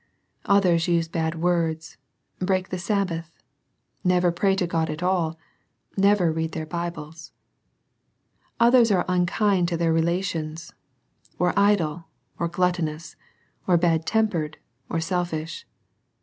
Others use bad words, break the Sabbath, never pray to God at all, never read their Bibles. Others are unkind to their rela tions, or idle, or gluttonous, or bad tempered, or selfish.